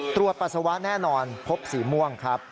ปัสสาวะแน่นอนพบสีม่วงครับ